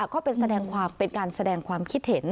ก็เป็นการแสดงความคิดเห็น